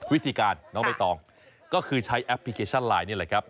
วิธีการน้องใบตองก็คือใช้แอปพลิเคชันไลน์นี่แหละครับ